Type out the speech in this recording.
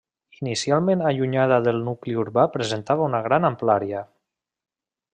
Inicialment allunyada del nucli urbà presentava una gran amplària.